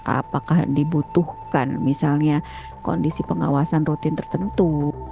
apakah dibutuhkan misalnya kondisi pengawasan rutin tertentu